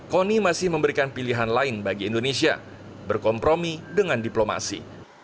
kony masih memberikan pilihan lain bagi indonesia berkompromi dengan diplomasi